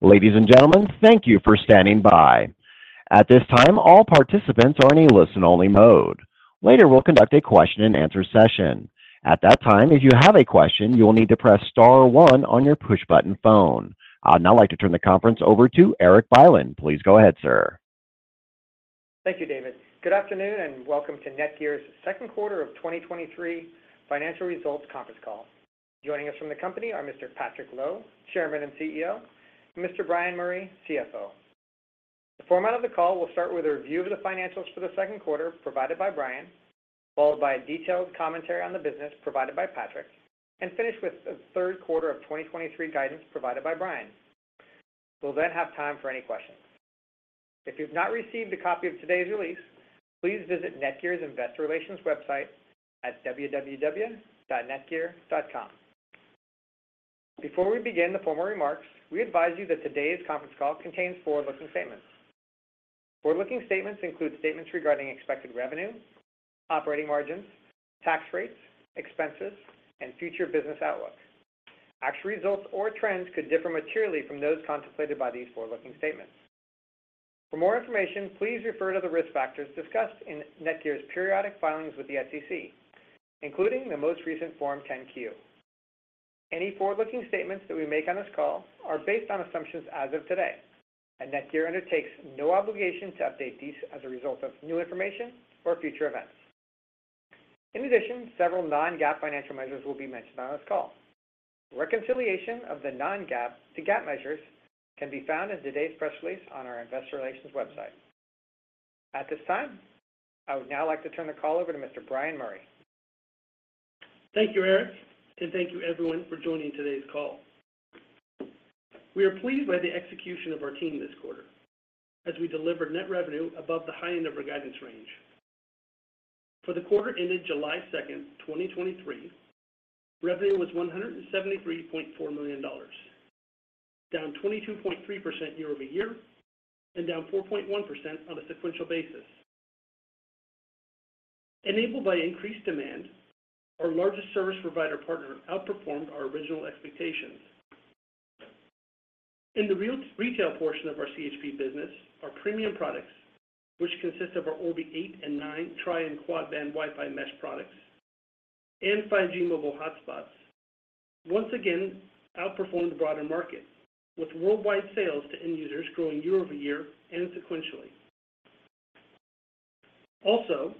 Ladies and gentlemen, thank you for standing by. At this time, all participants are in a listen-only mode. Later, we'll conduct a question-and-answer session. At that time, if you have a question, you will need to press star one on your push-button phone. I'd now like to turn the conference over to Erik Bylin. Please go ahead, sir. Thank you, David. Good afternoon, welcome to NETGEAR's Second Quarter of 2023 Financial Results Conference Call. Joining us from the company are Mr. Patrick Lo, Chairman and CEO, and Mr. Bryan Murray, CFO. The format of the call will start with a review of the financials for the second quarter, provided by Bryan, followed by a detailed commentary on the business provided by Patrick, and finish with the third quarter of 2023 guidance provided by Bryan. We'll have time for any questions. If you've not received a copy of today's release, please visit NETGEAR's Investor Relations website at www.netgear.com. Before we begin the formal remarks, we advise you that today's conference call contains forward-looking statements. Forward-looking statements include statements regarding expected revenue, operating margins, tax rates, expenses, and future business outlook. Actual results or trends could differ materially from those contemplated by these forward-looking statements. For more information, please refer to the risk factors discussed in NETGEAR's periodic filings with the SEC, including the most recent Form 10-Q. Any forward-looking statements that we make on this call are based on assumptions as of today. NETGEAR undertakes no obligation to update these as a result of new information or future events. In addition, several non-GAAP financial measures will be mentioned on this call. Reconciliation of the non-GAAP to GAAP measures can be found in today's press release on our Investor Relations website. At this time, I would now like to turn the call over to Mr. Bryan Murray. Thank you, Erik, and thank you everyone for joining today's call. We are pleased by the execution of our team this quarter, as we delivered net revenue above the high end of our guidance range. For the quarter ended July 2nd, 2023, revenue was $173.4 million, down 22.3% year-over-year and down 4.1% on a sequential basis. Enabled by increased demand, our largest service provider partner outperformed our original expectations. In the retail portion of our CHP business, our premium products, which consist of our Orbi 8 and 9 Tri-Band and Quad-Band Wi-Fi Mesh products and 5G Mobile hotspots, once again outperformed the broader market, with worldwide sales to end users growing year-over-year and sequentially. Also,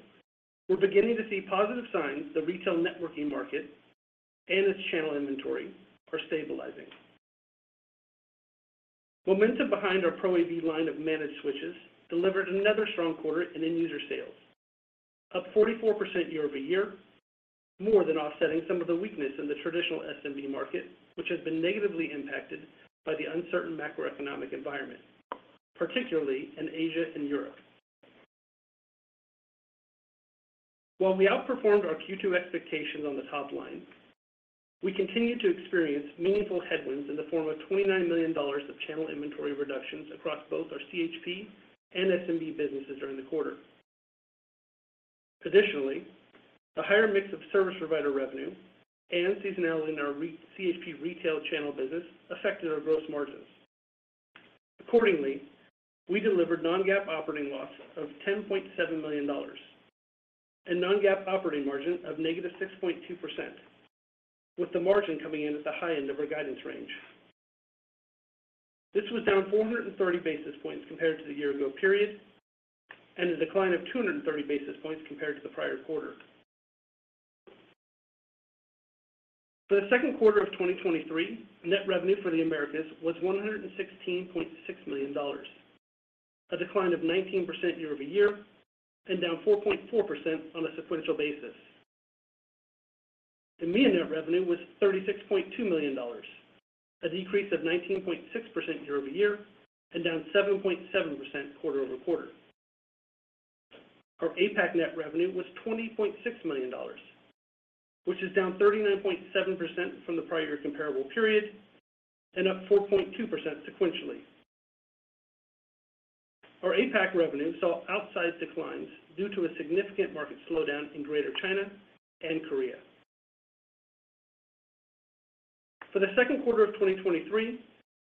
we're beginning to see positive signs the retail networking market and its channel inventory are stabilizing. Momentum behind our Pro AV line of managed switches delivered another strong quarter in end user sales, up 44% year-over-year more than offsetting some of the weakness in the traditional SMB market, which has been negatively impacted by the uncertain macroeconomic environment, particularly in Asia and Europe. While we outperformed our Q2 expectations on the top line, we continued to experience meaningful headwinds in the form of $29 million of channel inventory reductions across both our CHP and SMB businesses during the quarter. Additionally, a higher mix of service provider revenue and seasonality in our CHP retail channel business affected our gross margins. We delivered non-GAAP operating loss of $10.7 million and non-GAAP operating margin of negative 6.2% with the margin coming in at the high end of our guidance range. This was down 430 basis points compared to the year-ago period. A decline of 230 basis points compared to the prior quarter. For the second quarter of 2023, net revenue for the Americas was $116.6 million, a decline of 19% year-over-year and down 4.4% on a sequential basis. EMEA net revenue was $36.2 million, a decrease of 19.6% year-over-year and down 7.7% quarter-over-quarter. Our APAC net revenue was $20.6 million, which is down 39.7% from the prior year comparable period and up 4.2% sequentially. Our APAC revenue saw outsized declines due to a significant market slowdown in Greater China and Korea. For the second quarter of 2023,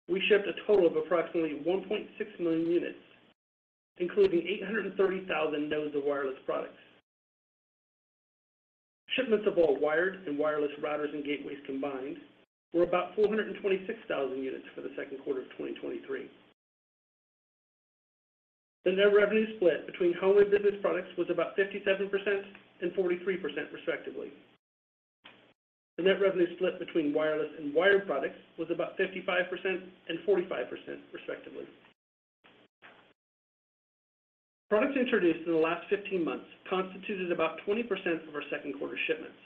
we shipped a total of approximately 1.6 million units, including 830,000 nodes of wireless products. Shipments of all wired and wireless routers and gateways combined were about 426,000 units for the second quarter of 2023. The net revenue split between home and business products was about 57% and 43% respectively. The net revenue split between wireless and wired products was about 55% and 45% respectively. Products introduced in the last 15 months constituted about 20% of our second quarter shipments,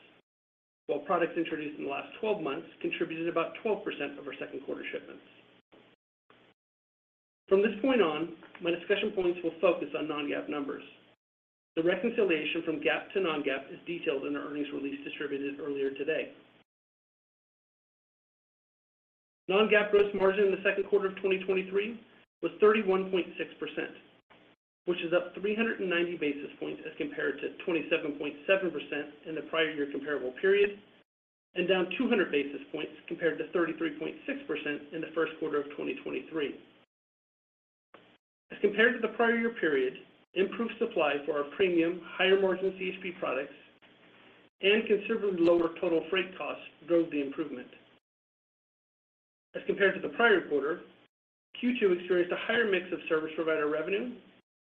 while products introduced in the last 12 months contributed about 12% of our second quarter shipments. From this point on, my discussion points will focus on non-GAAP numbers. The reconciliation from GAAP to non-GAAP is detailed in our earnings release distributed earlier today. Non-GAAP gross margin in the second quarter of 2023 was 31.6%, which is up 390 basis points as compared to 27.7% in the prior year comparable period, and down 200 basis points compared to 33.6% in the first quarter of 2023. As compared to the prior year period, improved supply for our premium higher margin CHP products and considerably lower total freight costs drove the improvement. As compared to the prior quarter, Q2 experienced a higher mix of service provider revenue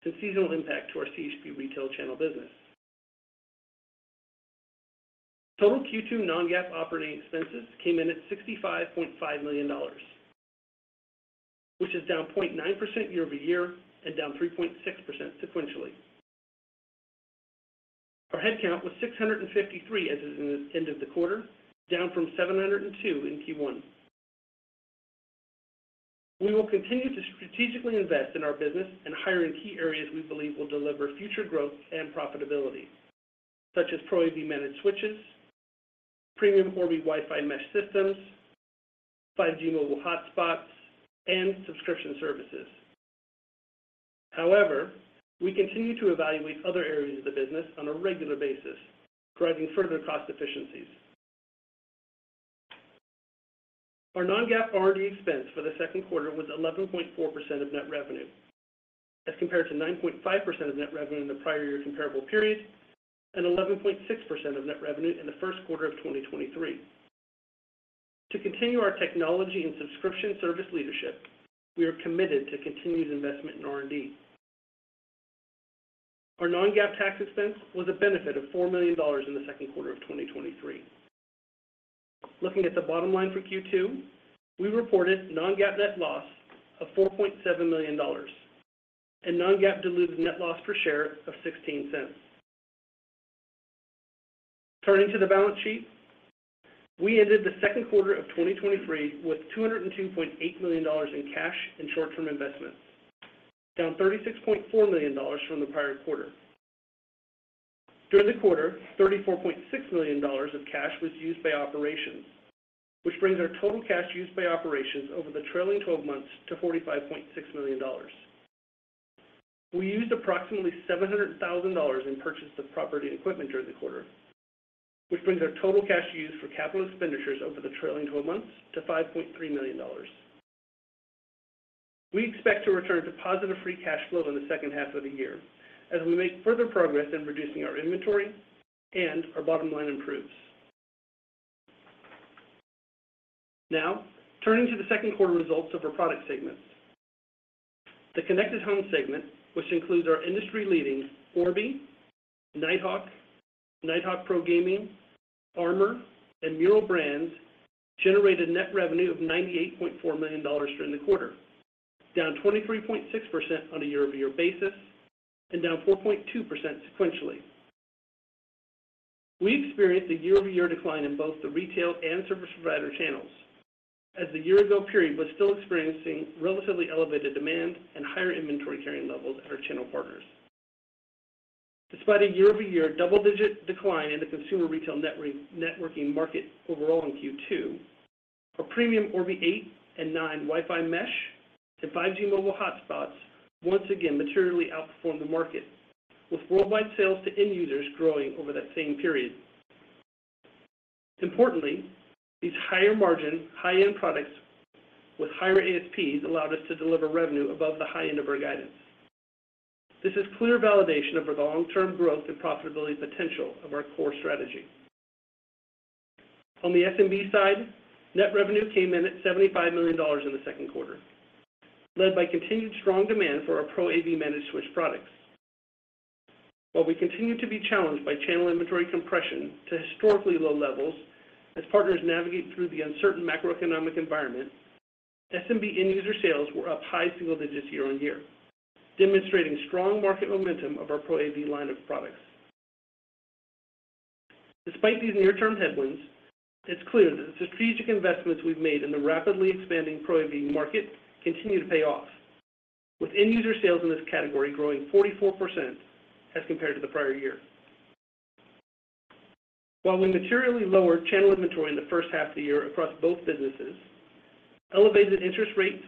and seasonal impact to our CHP retail channel business. Total Q2 non-GAAP operating expenses came in at $65.5 million, which is down 0.9% year-over-year and down 3.6% sequentially. Our headcount was 653 as is in the end of the quarter, down from 702 in Q1. We will continue to strategically invest in our business and hire in key areas we believe will deliver future growth and profitability, such as Pro AV Managed Switches, premium Orbi Wi-Fi Mesh Systems, 5G Mobile hotspots, and subscription services. However, we continue to evaluate other areas of the business on a regular basis, driving further cost efficiencies. Our non-GAAP R&D expense for the second quarter was 11.4% of net revenue, as compared to 9.5% of net revenue in the prior year comparable period, and 11.6% of net revenue in the first quarter of 2023. To continue our technology and subscription service leadership, we are committed to continued investment in R&D. Our non-GAAP tax expense was a benefit of $4 million in the second quarter of 2023. Looking at the bottom line for Q2, we reported non-GAAP net loss of $4.7 million, and non-GAAP diluted net loss per share of $0.16. Turning to the balance sheet, we ended the second quarter of 2023 with $202.8 million in cash and short-term investments, down $36.4 million from the prior quarter. During the quarter, $34.6 million of cash was used by operations which brings our total cash used by operations over the trailing 12 months to $45.6 million. We used approximately $700,000 in purchase of property and equipment during the quarter, which brings our total cash used for capital expenditures over the trailing 12 months to $5.3 million. We expect to return to positive free cash flow in the second half of the year as we make further progress in reducing our inventory and our bottom line improves. Turning to the second quarter results of our product segments. The Connected Home segment, which includes our industry-leading Orbi, Nighthawk, Nighthawk Pro Gaming, Armor, and Meural brands generated net revenue of $98.4 million during the quarter, down 23.6% on a year-over-year basis and down 4.2% sequentially. We experienced a year-over-year decline in both the retail and service provider channels, as the year-ago period was still experiencing relatively elevated demand and higher inventory carrying levels at our channel partners. Despite a year-over-year double-digit decline in the consumer retail networking market overall in Q2, our premium Orbi 8 and 9 Wi-Fi Mesh and 5G Mobile hotspots once again materially outperformed the market, with worldwide sales to end users growing over that same period. Importantly, these higher margin, high-end products with higher ASPs allowed us to deliver revenue above the high end of our guidance. This is clear validation of the long-term growth and profitability potential of our core strategy. On the SMB side, net revenue came in at $75 million in the second quarter, led by continued strong demand for our Pro AV Managed Switch products. While we continue to be challenged by channel inventory compression to historically low levels as partners navigate through the uncertain macroeconomic environment, SMB end user sales were up high single digits year-on-year, demonstrating strong market momentum of our Pro AV line of products. Despite these near-term headwinds, it's clear that the strategic investments we've made in the rapidly expanding Pro AV market continue to pay off, with end user sales in this category growing 44% as compared to the prior year. While we materially lowered channel inventory in the first half of the year across both businesses, elevated interest rates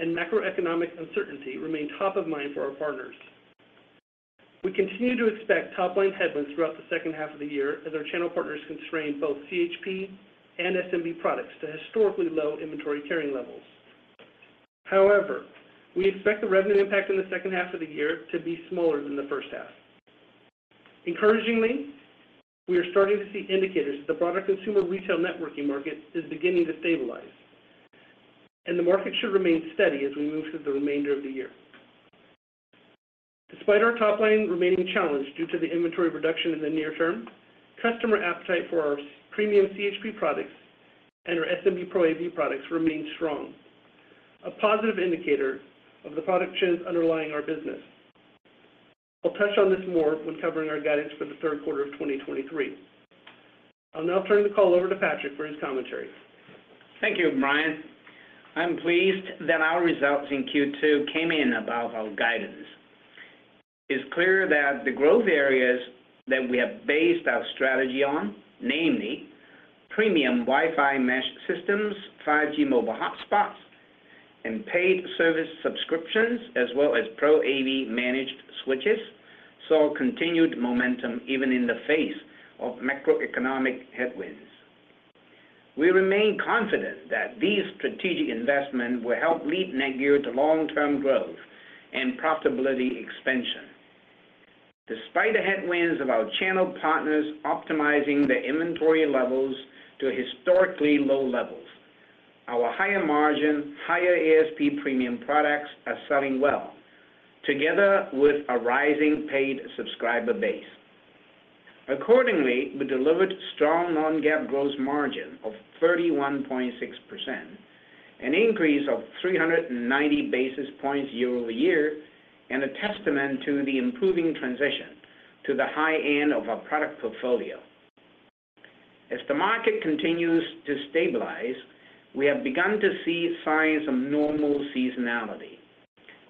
and macroeconomic uncertainty remain top of mind for our partners. We continue to expect top-line headwinds throughout the second half of the year as our channel partners constrain both CHP and SMB products to historically low inventory carrying levels. However, we expect the revenue impact in the second half of the year to be smaller than the first half. Encouragingly, we are starting to see indicators that the broader consumer retail networking market is beginning to stabilize, and the market should remain steady as we move through the remainder of the year. Despite our top line remaining challenged due to the inventory reduction in the near term, customer appetite for our premium CHP products and our SMB Pro AV products remains strong, a positive indicator of the product trends underlying our business. I'll touch on this more when covering our guidance for the third quarter of 2023. I'll now turn the call over to Patrick for his commentary. Thank you, Bryan. I'm pleased that our results in Q2 came in above our guidance. It's clear that the growth areas that we have based our strategy on namely: Premium Wi-Fi Mesh Systems, 5G Mobile hotspots, and paid service subscriptions, as well as Pro AV Managed Switches saw continued momentum even in the face of macroeconomic headwinds. We remain confident that these strategic investments will help lead NETGEAR to long-term growth and profitability expansion. Despite the headwinds of our channel partners optimizing their inventory levels to historically low levels, our higher margin, higher ASP premium products are selling well, together with a rising paid subscriber base. We delivered strong non-GAAP growth margin of 31.6%, an increase of 390 basis points year-over-year, and a testament to the improving transition to the high end of our product portfolio. As the market continues to stabilize, we have begun to see signs of normal seasonality,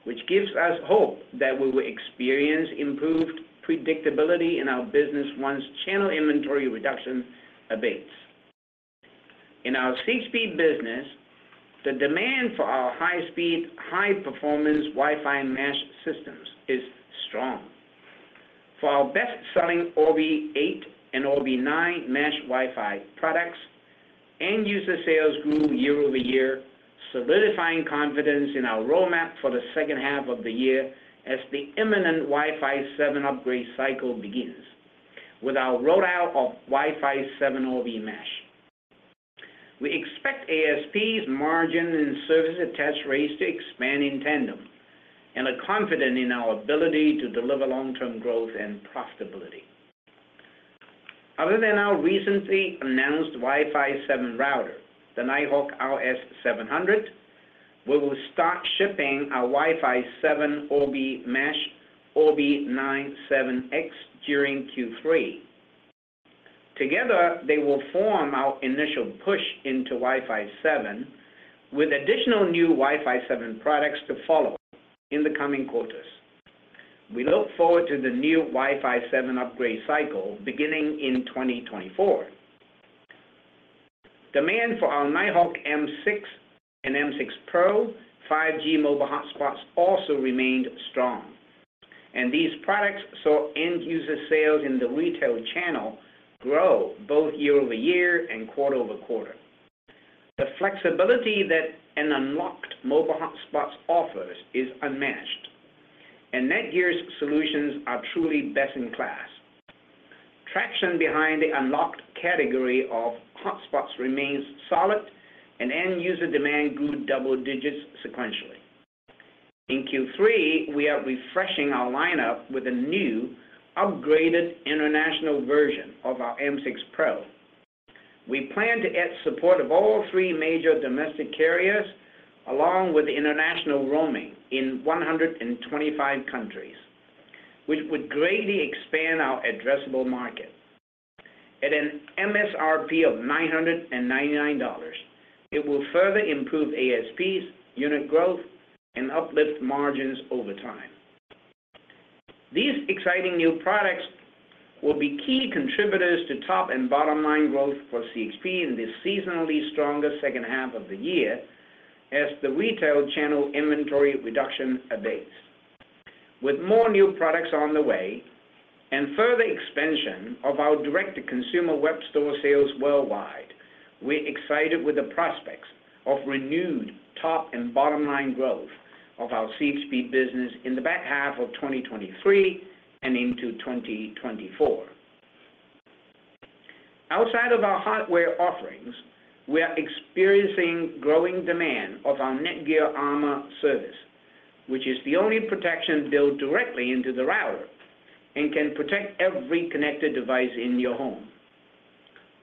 which gives us hope that we will experience improved predictability in our business once channel inventory reduction abates. In our CXP business, the demand for our high-speed, high-performance Wi-Fi mesh systems is strong. For our best-selling Orbi 8 and Orbi 9 Mesh Wi-Fi products, end user sales grew year-over-year, solidifying confidence in our roadmap for the second half of the year as the imminent Wi-Fi 7 upgrade cycle begins with our rollout of Wi-Fi 7 Orbi Mesh. We expect ASPs, margin, and service attach rates to expand in tandem, and are confident in our ability to deliver long-term growth and profitability. Other than our recently announced Wi-Fi 7 router, the Nighthawk RS700, we will start shipping our Wi-Fi 7 Orbi Mesh, Orbi 970 Series during Q3. Together, they will form our initial push into Wi-Fi 7, with additional new Wi-Fi 7 products to follow in the coming quarters. We look forward to the new Wi-Fi 7 upgrade cycle beginning in 2024. Demand for our Nighthawk M6 and M6 Pro 5G mobile hotspots also remained strong, and these products saw end user sales in the retail channel grow both year-over-year and quarter-over-quarter. The flexibility that an unlocked mobile hotspot offers is unmatched, and NETGEAR's solutions are truly best in class. Traction behind the unlocked category of hotspots remains solid, and end user demand grew double digits sequentially. In Q3, we are refreshing our lineup with a new, upgraded international version of our M6 Pro. We plan to add support of all three major domestic carriers, along with international roaming in 125 countries, which would greatly expand our addressable market. At an MSRP of $999, it will further improve ASPs, unit growth, and uplift margins over time. These exciting new products will be key contributors to top and bottom line growth for CXP in the seasonally stronger second half of the year, as the retail channel inventory reduction abates. With more new products on the way and further expansion of our direct-to-consumer web store sales worldwide, we're excited with the prospects of renewed top and bottom line growth of our CXP business in the back half of 2023 and into 2024. Outside of our hardware offerings, we are experiencing growing demand of our NETGEAR Armor service, which is the only protection built directly into the router and can protect every connected device in your home.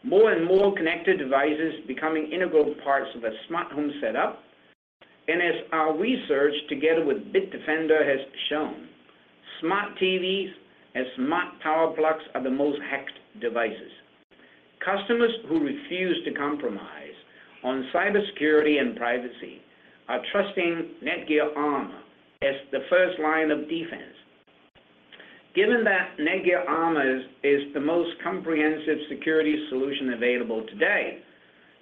More and more connected devices becoming integral parts of a smart home setup, and as our research together with Bitdefender has shown, smart TVs and smart power plugs are the most hacked devices. Customers who refuse to compromise on cybersecurity and privacy are trusting NETGEAR Armor as the first line of defense. Given that NETGEAR Armor is the most comprehensive security solution available today,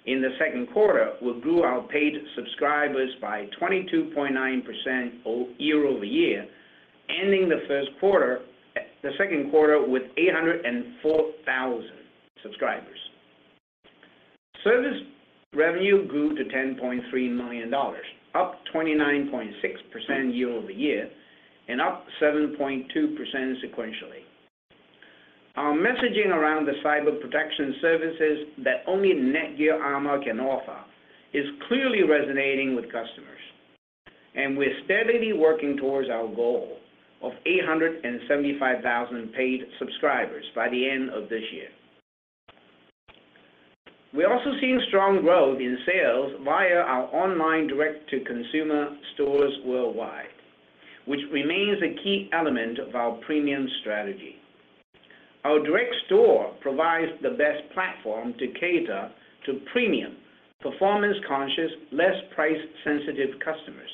in the second quarter, we grew our paid subscribers by 22.9% year-over-year, ending the second quarter with 804,000 subscribers. Service revenue grew to $10.3 million, up 29.6% year-over-year, up 7.2% sequentially. Our messaging around the cyber protection services that only NETGEAR Armor can offer is clearly resonating with customers, and we're steadily working towards our goal of 875,000 paid subscribers by the end of this year. We are also seeing strong growth in sales via our online direct-to-consumer stores worldwide, which remains a key element of our premium strategy. Our direct store provides the best platform to cater to premium, performance-conscious, less price-sensitive customers,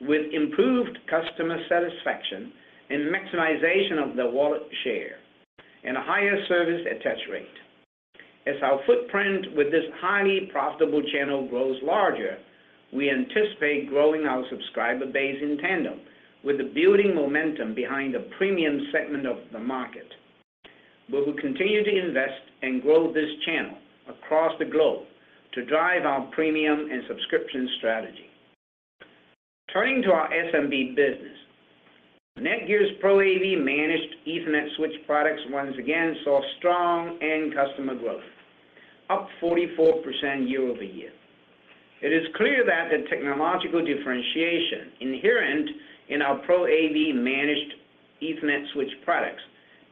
with improved customer satisfaction and maximization of the wallet share, and a higher service attach rate. As our footprint with this highly profitable channel grows larger, we anticipate growing our subscriber base in tandem with the building momentum behind the premium segment of the market. We will continue to invest and grow this channel across the globe to drive our premium and subscription strategy. Turning to our SMB business, NETGEAR's Pro AV Managed Ethernet Switch products once again saw strong end customer growth, up 44% year-over-year. It is clear that the technological differentiation inherent in our Pro AV Managed Ethernet Switch products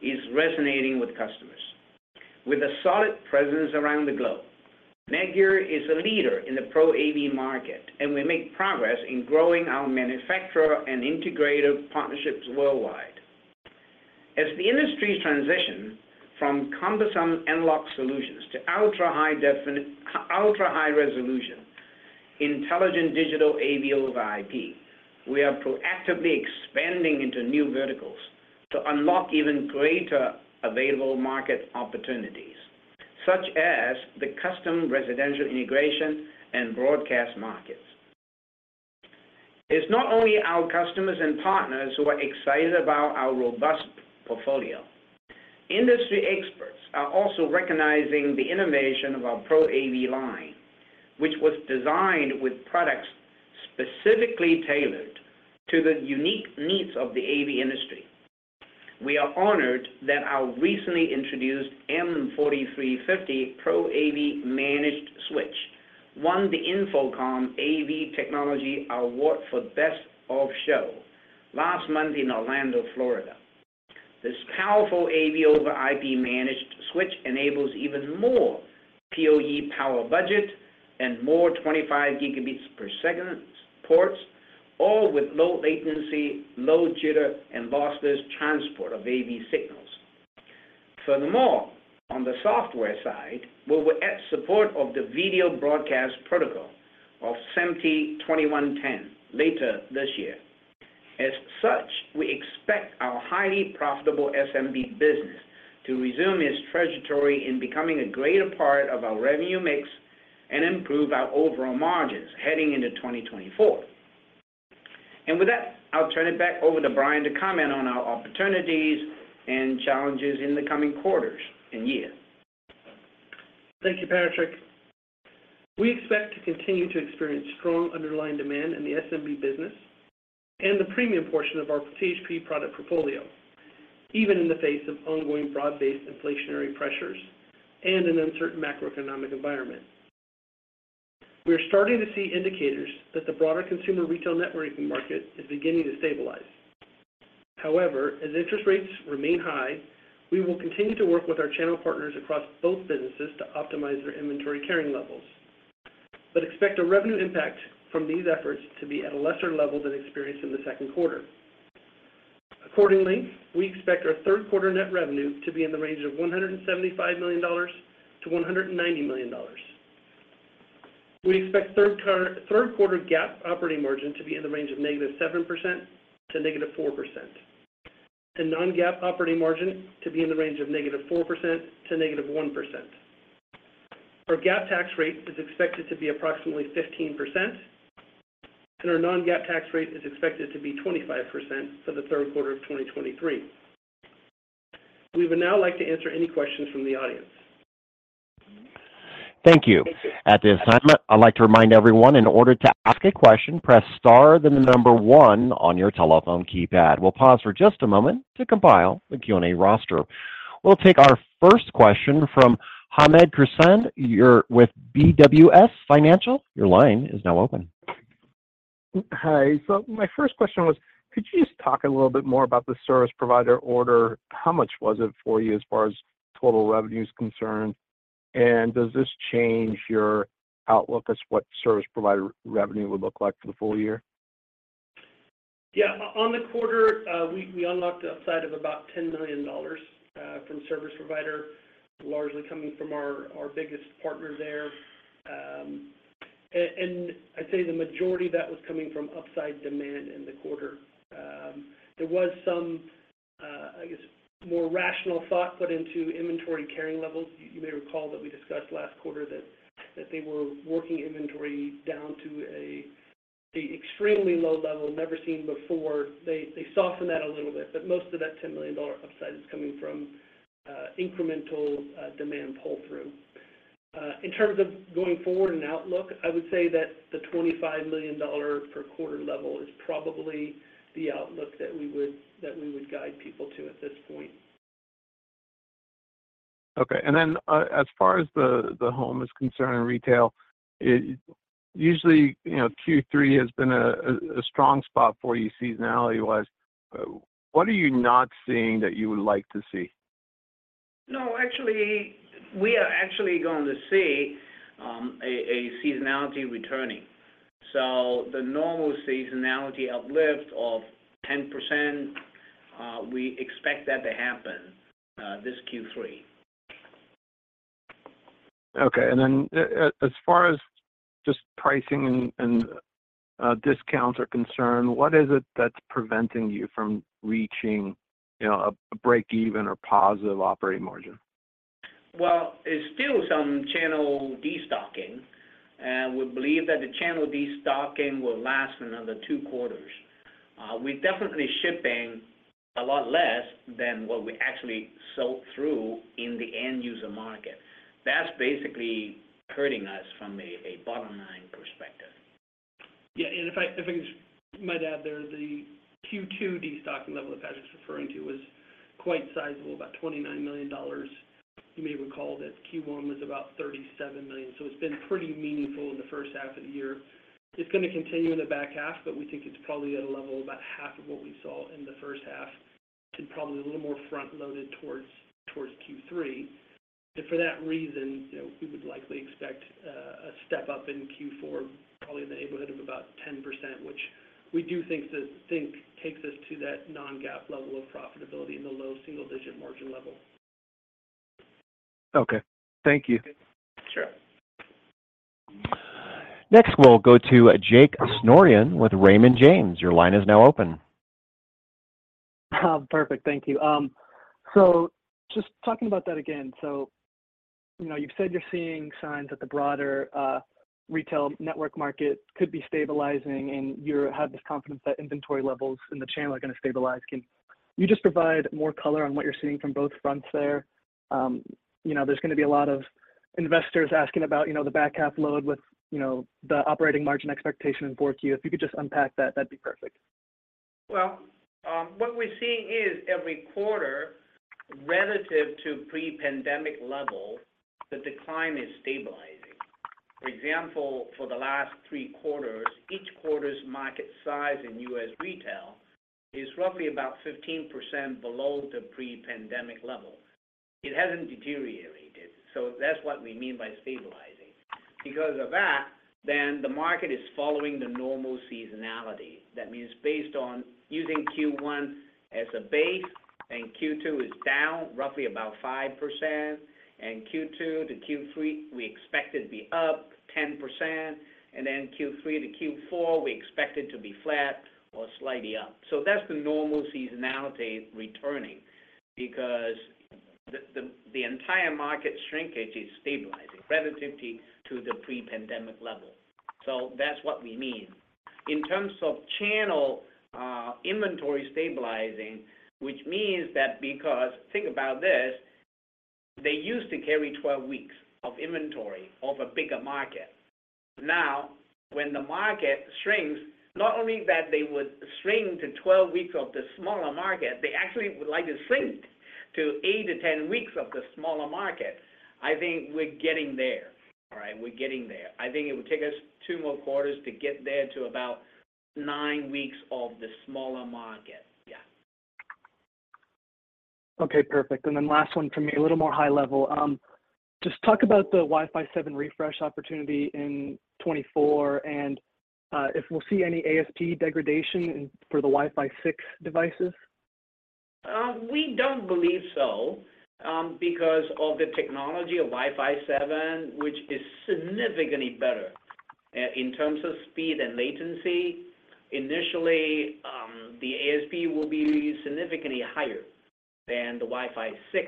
is resonating with customers. With a solid presence around the globe, NETGEAR is a leader in the Pro AV market, we make progress in growing our manufacturer and integrator partnerships worldwide. As the industries transition from cumbersome analog solutions to ultra-high resolution, intelligent digital AV over IP. We are proactively expanding into new verticals to unlock even greater available market opportunities, such as the custom residential integration and broadcast markets. It's not only our customers and partners who are excited about our robust portfolio. Industry experts are also recognizing the innovation of our Pro AV line, which was designed with products specifically tailored to the unique needs of the AV industry. We are honored that our recently introduced M4350 Pro AV Managed Switch won the InfoComm AV Technology Award for Best of Show last month in Orlando, Florida. This powerful AV over IP managed switch enables even more PoE power budget and more 25 Gp per second ports, all with low latency, low jitter, and lossless transport of AV signals. On the software side, we will add support of the video broadcast protocol of SMPTE ST 2110 later this year. We expect our highly profitable SMB business to resume its trajectory in becoming a greater part of our revenue mix and improve our overall margins heading into 2024. With that, I'll turn it back over to Bryan to comment on our opportunities and challenges in the coming quarters and year. Thank you, Patrick. We expect to continue to experience strong underlying demand in the SMB business and the premium portion of our CHP product portfolio, even in the face of ongoing broad-based inflationary pressures and an uncertain macroeconomic environment. We are starting to see indicators that the broader consumer retail networking market is beginning to stabilize. As interest rates remain high, we will continue to work with our channel partners across both businesses to optimize their inventory carrying levels, but expect a revenue impact from these efforts to be at a lesser level than experienced in the second quarter. We expect our third quarter net revenue to be in the range of $175 million-$190 million. We expect third quarter GAAP operating margin to be in the range of -7% to -4%, and non-GAAP operating margin to be in the range of -4% to -1%. Our GAAP tax rate is expected to be approximately 15%, and our non-GAAP tax rate is expected to be 25% for the third quarter of 2023. We would now like to answer any questions from the audience. Thank you. At this time, I'd like to remind everyone, in order to ask a question, press star then the number one on your telephone keypad. We'll pause for just a moment to compile the Q&A roster. We'll take our first question from Hamed Khorsand. You're with BWS Financial. Your line is now open. Hi. My first question was, could you just talk a little bit more about the service provider order? How much was it for you as far as total revenue is concerned and does this change your outlook as what service provider revenue would look like for the full year? On the quarter, we unlocked a side of about $10 million from service provider, largely coming from our biggest partner there. I'd say the majority of that was coming from upside demand in the quarter. There was some, I guess more rational thought put into inventory carrying levels. You may recall that we discussed last quarter that they were working inventory down to an extremely low level, never seen before. They softened that a little bit, but most of that $10 million upside is coming from incremental demand pull-through. In terms of going forward and outlook, I would say that the $25 million per quarter level is probably the outlook that we would guide people to at this point. Okay. As far as the home is concerned and retail, usually, you know, Q3 has been a strong spot for you seasonality-wise. What are you not seeing that you would like to see? No, actually, we are actually going to see a seasonality returning. The normal seasonality uplift of 10%, we expect that to happen this Q3. Okay, as far as just pricing and discounts are concerned, what is it that's preventing you from reaching, you know, a breakeven or positive operating margin? Well, it's still some channel destocking. We believe that the channel destocking will last another 2 quarters. We're definitely shipping a lot less than what we actually sell through in the end user market. That's basically hurting us from a bottom line perspective. Yeah, if I just might add there, the Q2 destocking level that Patrick's referring to was quite sizable, about $29 million. You may recall that Q1 was about $37 million, so it's been pretty meaningful in the first half of the year. It's going to continue in the back half, but we think it's probably at a level about half of what we saw in the first half, and probably a little more front-loaded towards Q3. For that reason, you know, we would likely expect a step up in Q4, probably in the neighborhood of about 10%, which we do think takes us to that non-GAAP level of profitability in the low single-digit margin level. Okay. Thank you. Sure. Next, we'll go to [Jake Morrison] with Raymond James. Your line is now open. Perfect, thank you. Just talking about that again, so, you know, you've said you're seeing signs that the broader retail network market could be stabilizing, and you have this confidence that inventory levels in the channel are going to stabilize. Can you just provide more color on what you're seeing from both fronts there? You know, there's going to be a lot of investors asking about, you know, the back half load with, you know, the operating margin expectation in 4Q. If you could just unpack that'd be perfect. Well, what we're seeing is every quarter, relative to pre-pandemic level, the decline is stabilizing. For example, for the last 3 quarters, each quarter's market size in US retail is roughly about 15% below the pre-pandemic level. It hasn't deteriorated, that's what we mean by stabilizing. The market is following the normal seasonality. Based on using Q1 as a base, Q2 is down roughly about 5%, Q2-Q3, we expect it to be up 10%, Q3-Q4, we expect it to be flat or slightly up. That's the normal seasonality returning because the entire market shrinkage is stabilizing relatively to the pre-pandemic level. That's what we mean. In terms of channel, inventory stabilizing, which means that because, think about this, they used to carry 12 weeks of inventory of a bigger market. Now, when the market shrinks, not only that they would shrink to 12 weeks of the smaller market, they actually would like to shrink to 8-10 weeks of the smaller market. I think we're getting there. All right? We're getting there. I think it would take us 2 more quarters to get there to about 9 weeks of the smaller market. Yeah. Okay, perfect. Last one from me, a little more high level. Just talk about the Wi-Fi 7 refresh opportunity in 2024, and if we'll see any ASP degradation for the Wi-Fi 6 devices? We don't believe so, because of the technology of Wi-Fi 7, which is significantly better in terms of speed and latency. Initially, the ASP will be significantly higher than the Wi-Fi 6,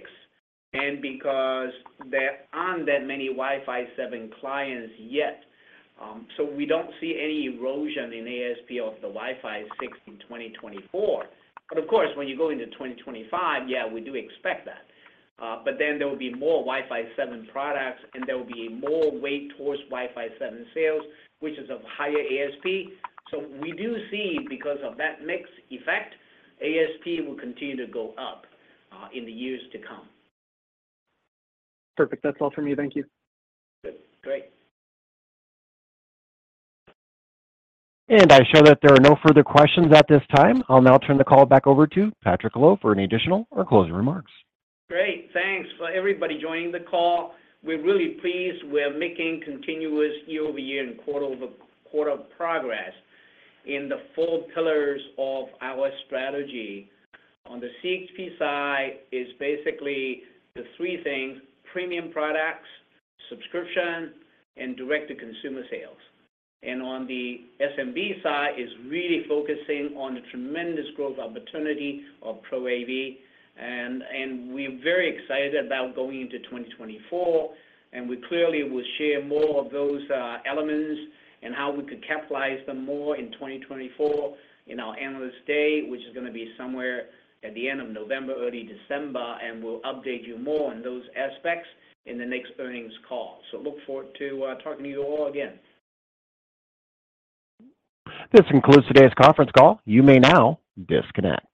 and because there aren't that many Wi-Fi 7 clients yet, we don't see any erosion in ASP of the Wi-Fi 6 in 2024. Of course, when you go into 2025, we do expect that. There will be more Wi-Fi 7 products, and there will be more weight towards Wi-Fi 7 sales, which is of higher ASP. We do see, because of that mix effect, ASP will continue to go up in the years to come. Perfect. That's all from me. Thank you. Good. Great. I show that there are no further questions at this time. I'll now turn the call back over to Patrick Lo for any additional or closing remarks. Great. Thanks for everybody joining the call. We're really pleased we're making continuous year-over-year and quarter-over-quarter progress in the four pillars of our strategy. On the CHP side is basically the three things: premium products, subscription, and direct-to-consumer sales. On the SMB side is really focusing on the tremendous growth opportunity of Pro AV, and we're very excited about going into 2024. We clearly will share more of those elements and how we could capitalize them more in 2024 in our Analyst Day, which is going to be somewhere at the end of November, early December and we'll update you more on those aspects in the next earnings call. Look forward to talking to you all again. This concludes today's conference call. You may now disconnect.